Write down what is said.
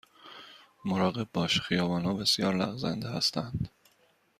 مراقب باش، خیابان ها بسیار لغزنده هستند.